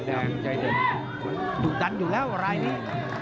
ถูกดันอยู่นลายนี้